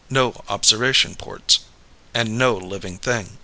No observation ports. _And no living thing.